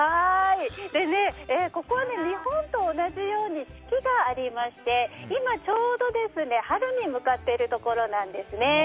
ここは日本と同じように四季がありまして今ちょうど春に向かっているところなんです。